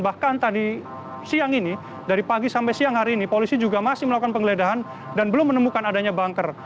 bahkan tadi siang ini dari pagi sampai siang hari ini polisi juga masih melakukan penggeledahan dan belum menemukan adanya banker